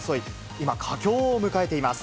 今、佳境を迎えています。